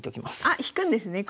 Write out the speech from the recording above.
あっ引くんですね